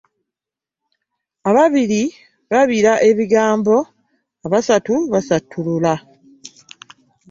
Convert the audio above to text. Ababiri babira ebigambo, abasatu basatulula .